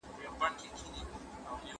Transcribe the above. هغه وويل چي لوښي وچول مهم دي.